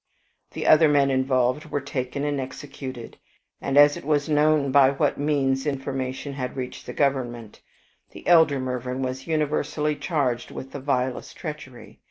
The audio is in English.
The other men involved were taken and executed, and as it was known by what means information had reached the Government, the elder Mervyn was universally charged with the vilest treachery.